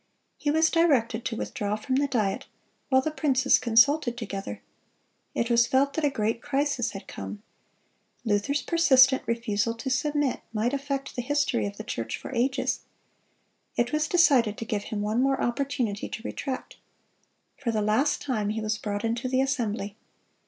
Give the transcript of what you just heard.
(222) He was directed to withdraw from the Diet, while the princes consulted together. It was felt that a great crisis had come. Luther's persistent refusal to submit, might affect the history of the church for ages. It was decided to give him one more opportunity to retract. For the last time he was brought into the assembly.